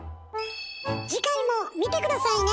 次回も見て下さいね！